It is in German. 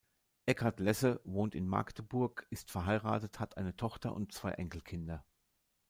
Eckhard Lesse wohnt in Magdeburg, ist verheiratet, hat eine Tochter und zwei Enkelkinder.